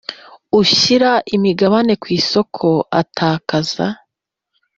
ushyira imigabane ku isoko atakaza